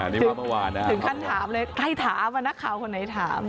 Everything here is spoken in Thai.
ถึงขั้นถามเลยใครถามนักข่าวคนไหนถาม